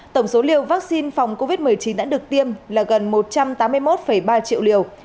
tổng số liều vaccine phòng covid một mươi chín đã được tiêm là gần một trăm tám mươi một ba triệu liều